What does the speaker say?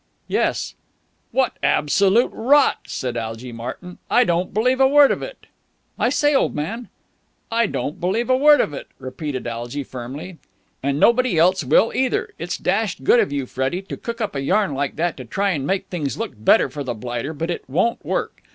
"Yes." "What absolute rot!" said Algy Martyn. "I don't believe a word of it!" "I say, old man!" "I don't believe a word of it," repeated Algy firmly. "And nobody else will either. It's dashed good of you, Freddie, to cook up a yarn like that to try and make things look better for the blighter, but it won't work.